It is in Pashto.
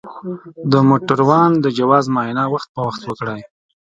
د موټروان د جواز معاینه وخت په وخت وکړئ.